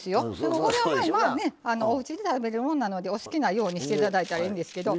これはおうちで食べるもんなのでお好きなようにしていただいたらいいんですけど。